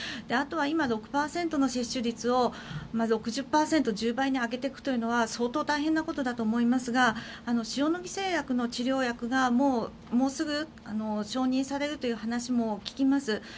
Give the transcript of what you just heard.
あとは今、６％の接種率を６０％、１０倍に上げていくというのは相当大変なことだと思いますが塩野義製薬の治療薬がもうすぐ承認されるという話も聞きます。